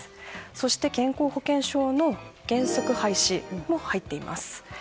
そして健康保険証の原則廃止も入っています。